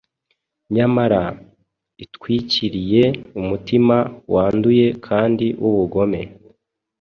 nyamara itwikiriye umutima wanduye kandi w’ubugome.